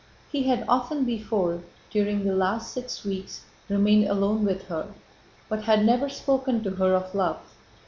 He had often before, during the last six weeks, remained alone with her, but had never spoken to her of love.